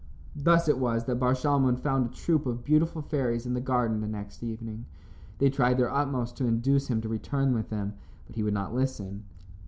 Thus it was that Bar Shalmon found a troupe of beautiful fairies in the garden the next evening. They tried their utmost to induce him to return with them, but he would not listen.